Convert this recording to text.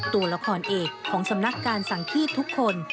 ตัวละครเอกของสำนักการสังขีดทุกคน